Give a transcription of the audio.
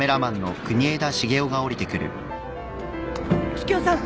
桔梗さん！